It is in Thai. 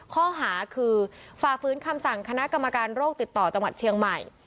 ข้อหาคือฝ่าฟื้นคำสั่งคณะกรรมการโรคติดต่อจังหวัดเชียงใหม่